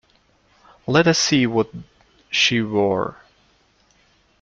Let us see what she wore.